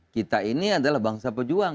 kita ini adalah bangsa pejuang